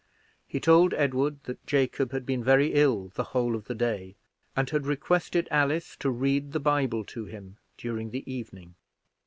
He told Edward that Jacob had been very ill the whole of the day, and had requested Alice to read the Bible to him during the evening.